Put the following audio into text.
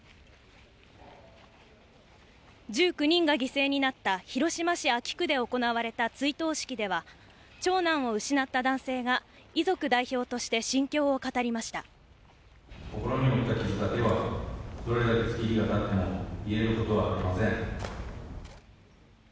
１９人が犠牲になった広島市安芸区で行われた追悼式では、長男を失った男性が、心に負った傷だけは、どれだけ月日がたっても癒えることはありません。